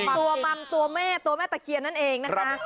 ตัวมัมตัวแม่ตัวแม่ตะเคียนนั่นเองนะคะ